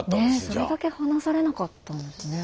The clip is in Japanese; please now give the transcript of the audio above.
それだけ話されなかったんですね。